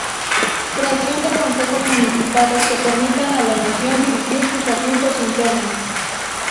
Creación de consejos municipales que permitan a la nación dirigir sus asuntos internos.